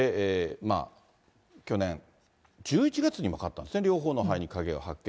去年１１月に分かったんですね、両方の肺に影を発見。